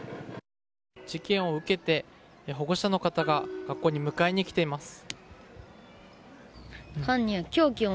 事件を受けて保護者の方が学校に迎えに来ています。